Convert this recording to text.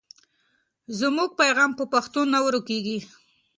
زموږ پیغام په پښتو نه ورکېږي.